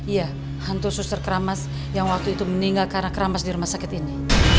iya hantu suster keramas yang waktu itu meninggal karena keramas di rumah sakit ini